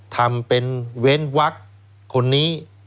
ทำเป็นเว้นวักคนนี้